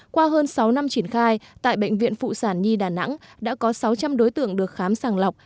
qua hơn sáu năm triển khai tại bệnh viện phụ sản nhi đà nẵng đã có sáu trăm linh đối tượng được khám sàng lọc